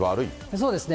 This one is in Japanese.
そうですね。